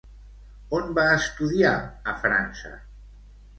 On va estudiar a França?